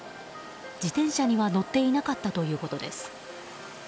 自転車には乗っていなかったということです。